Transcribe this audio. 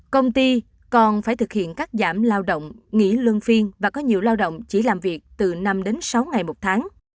công ty còn phải thực hiện cắt giảm lao động nghỉ lương phiên và có nhiều lao động chỉ làm việc từ năm đến sáu ngày một tháng